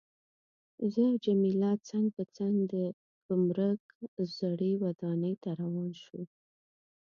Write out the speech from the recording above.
زه او جميله څنګ پر څنګ د ګمرک زړې ودانۍ ته روان شوو.